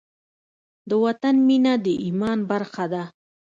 د وطن مینه د ایمان برخه ده.